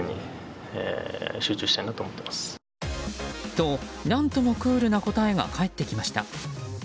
と、何ともクールな答えが返ってきました。